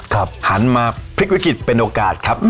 หันมาพลิกวิกฤตเป็นโอกาสครับ